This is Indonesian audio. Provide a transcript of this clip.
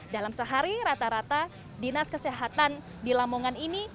dalam sehari rata rata dinas kesehatan di lamongan ini